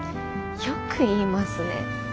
よく言いますね。